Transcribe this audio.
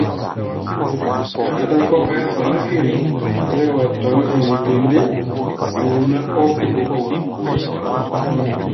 Ka ɗáɗá kɔ́-mɛ́ á ganá kere, bɛɛ́ wa tɔ̧́ hee ge ndé, see-mɛ́ ɔ́ bobobo.